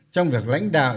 trong việc lãnh đạo